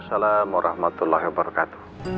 waalaikumsalam warahmatullah wabarakatuh